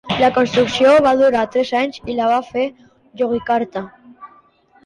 La construcció va durar tres anys i la va fer Yogyakarta.